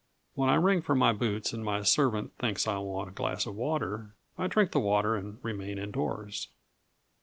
When I ring for my boots and my servant thinks I want a glass of water, I drink the water and remain indoors.